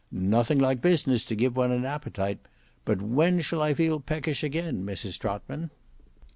Nothing like business to give one an appetite. But when shall I feel peckish again, Mrs Trotman?"